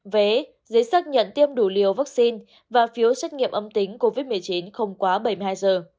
vé giấy xác nhận tiêm đủ liều vaccine và phiếu xét nghiệm âm tính covid một mươi chín không quá bảy mươi hai giờ